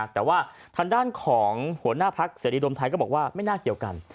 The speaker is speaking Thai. แต่ว่าทางด้านของหัวหน้าพักเสรีรวมไทยก็บอกว่าไม่น่าเกี่ยวกัน